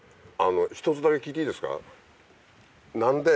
一つだけ聞いていいですか。